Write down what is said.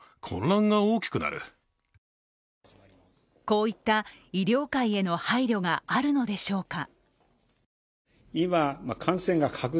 こういった医療界への配慮があるのでしょうか。